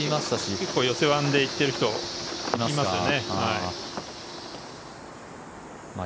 結構、寄せで行ってる人いますよね。